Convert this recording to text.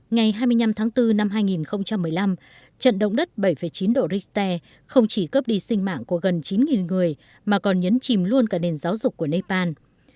ngày hai mươi năm tháng bốn năm hai nghìn một mươi năm trận động đất bảy chín độ richter không chỉ cướp đi sinh mạng của gần chín người mà còn nhấn chìm luôn cả nền giáo dục của nepal